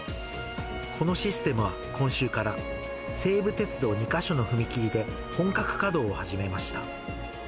このシステムは、今週から西武鉄道２か所の踏切で本格稼働を始めました。